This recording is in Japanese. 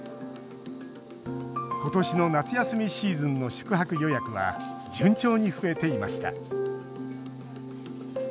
ことしの夏休みシーズンの宿泊予約は順調に増えていました。